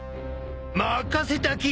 任せたき。